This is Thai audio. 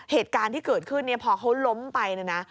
เหตุการณ์ที่เกิดขึ้นพอเขาล้มไป